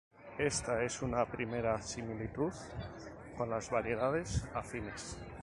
Esta es una primera similitud con las variedades afines.